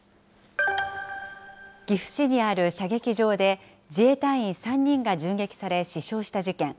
岐阜市にある射撃場で、自衛隊員３人が銃撃され、死傷した事件。